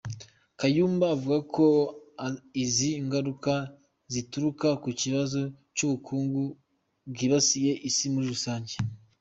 Kayumba avuga ko izi ngaruka zituruka ku kibazo cy’ubukungu bwibasiye isi muri rusange.